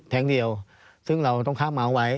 แทงค์เดียวซึ่งเราต้องคราบเมาส์ไว้